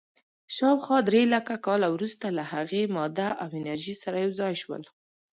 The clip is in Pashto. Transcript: شاوخوا درېلکه کاله وروسته له هغې، ماده او انرژي سره یو ځای شول.